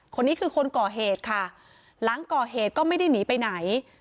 คนนี้คือคนก่อเหตุค่ะหลังก่อเหตุก็ไม่ได้หนีไปไหน